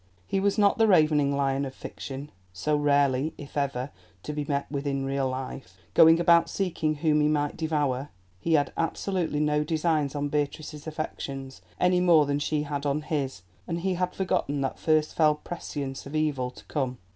He was not the ravening lion of fiction—so rarely, if ever, to be met with in real life—going about seeking whom he might devour. He had absolutely no designs on Beatrice's affections, any more than she had on his, and he had forgotten that first fell prescience of evil to come.